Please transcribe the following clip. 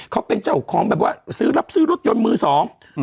เขาเป็นเจ้าของแบบว่าซื้อรับซื้อรถยนต์มือสองอืม